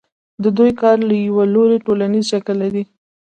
د دوی کار له یوه لوري ټولنیز شکل لري